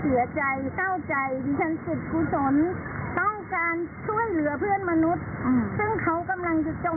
ซึ่งเขากำลังจะจมน้ำตายเขาไม่มีชีวิตในวันนี้จริงค่ะ